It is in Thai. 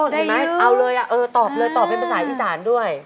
ได้อยู่เห็นมั้ยเอาเลยอ่ะตอบเลยตอบเป็นภาษาอีสานด้วย